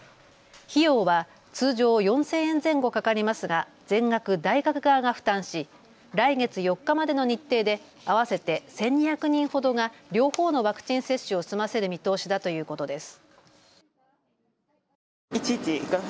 費用は通常４０００円前後かかりますが全額、大学側が負担し来月４日までの日程で合わせて１２００人ほどが両方のワクチン接種を済ませる見通しだということです。